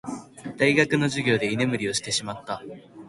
大学の授業で居眠りをしてしまった。